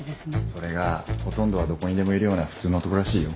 それがほとんどはどこにでもいるような普通の男らしいよ。